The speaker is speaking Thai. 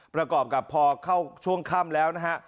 ประกอบกับพอเข้าช่วงค่ำแล้วนะฮะ